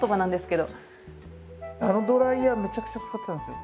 あのドライヤーめちゃくちゃ使ってたんですよ。